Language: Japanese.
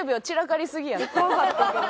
怖かったんやけど。